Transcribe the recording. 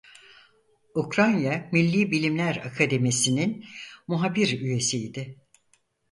Ukrayna Milli Bilimler Akademisi'nin Muhabir Üyesiydi.